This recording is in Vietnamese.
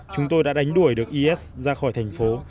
chúng tôi đã đánh đuổi được is ra khỏi thành phố